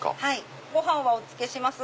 ご飯はお付けします？